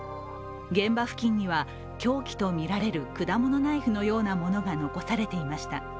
現場付近には凶器と見られる果物ナイフのようなものが残されていました。